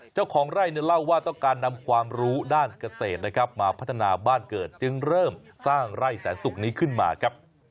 เจ้าของไร่เล่าว่าต้องการนำความรู้ด้านเกษตรนะครับมาพัฒนาบ้านเกิดจึงเริ่มสร้างไร่แสนสุกนี้ขึ้นมาครับ